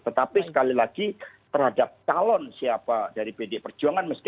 tetapi sekali lagi terhadap talon siapa dari pdi perjuangan